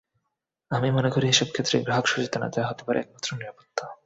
আমি মনে করি, এসব ক্ষেত্রে গ্রাহক সচেতনতাই হতে পারে একমাত্র নিরাপত্তা।